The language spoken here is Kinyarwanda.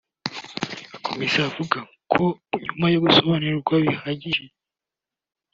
Akomeza avuga ko nyuma yo gusobanurirwa bihagije